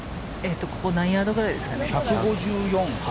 ここは何ヤードぐらいですかね。